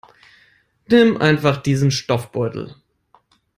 Nimm einfach diesen Stoffbeutel.